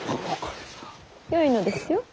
よいのですよ